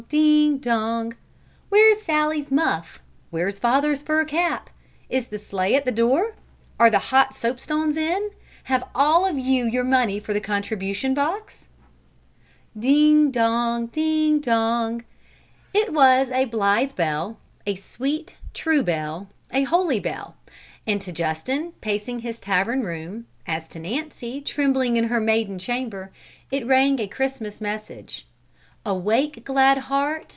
Ding dong! "Where's Sally's muff? Where's father's fur cap? Is the sleigh at the door? Are the hot soapstones in? Have all of you your money for the contribution box?" Ding dong! Ding dong! It was a blithe bell, a sweet, true bell, a holy bell, and to Justin, pacing his tavern room, as to Nancy, trembling in her maiden chamber, it rang a Christmas message: Awake, glad heart!